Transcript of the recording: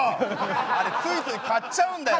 あれついつい買っちゃうんだよ。